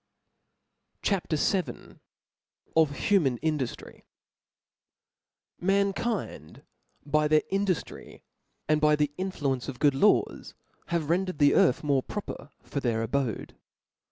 CHAP. VIL Of human Indujiry. MAnkind by their induftry, and by the influ ence of good laws, have rendered the earth more proper for their abode.